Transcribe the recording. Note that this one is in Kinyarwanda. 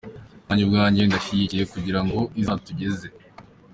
Nanjye ubwanjye ndayishyigikiye kugira ngo izatugeze.